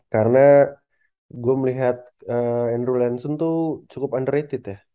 karena gue melihat andrew lansun tuh cukup underrated ya